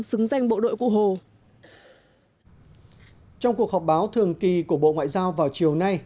xứng danh bộ đội cụ hồ trong cuộc họp báo thường kỳ của bộ ngoại giao vào chiều nay